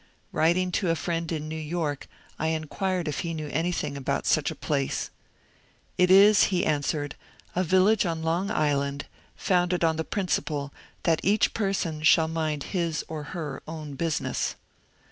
Writing to a friend in New York, I inquired if he knew anything about such a place. *^ It is," he answered, ^^ a village on Long Island founded on the principle that each person shall mind his or her own business."